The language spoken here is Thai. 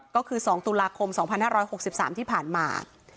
ก็คือ๒ตุลาคม๒๕๖๓ที่ผ่านมา